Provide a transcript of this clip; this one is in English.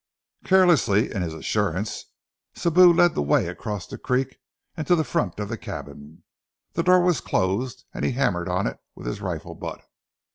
Carelessly, in his assurance, Sibou led the way across the creek, and to the front of the cabin. The door was closed, and he hammered on it with his rifle butt.